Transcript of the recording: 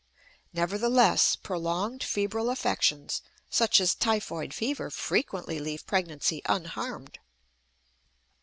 Nevertheless, prolonged febrile affections, such as typhoid fever, frequently leave pregnancy unharmed.